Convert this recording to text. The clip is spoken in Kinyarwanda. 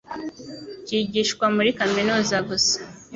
kigishwa muri kaminuza gusa